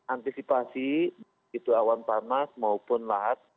antisipasi baik itu awan panas maupun lahat